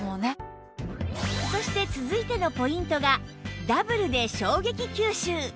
そして続いてのポイントがダブルで衝撃吸収